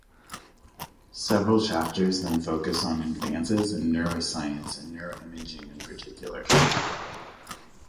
Several chapters then focus on advances in neuroscience and neuroimaging in particular.